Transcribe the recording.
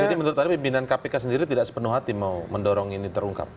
jadi menurut anda pimpinan kpk sendiri tidak sepenuh hati mau mendorong ini terungkap